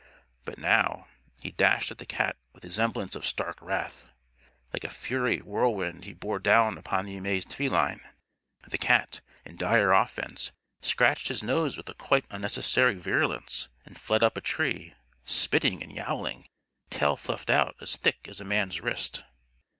But now, he dashed at the cat with a semblance of stark wrath. Like a furry whirlwind he bore down upon the amazed feline. The cat, in dire offense, scratched his nose with a quite unnecessary virulence and fled up a tree, spitting and yowling, tail fluffed out as thick as a man's wrist.